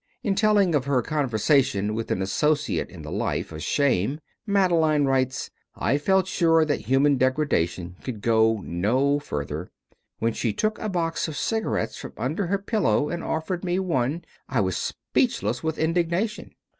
In telling of her conversation with an associate in the life of shame Madeleine writes, "I felt sure that human degradation could go no further; when she took a box of cigarettes from under her pillow and offered me one I was speechless with indignation."